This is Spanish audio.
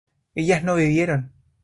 ellas no bebieron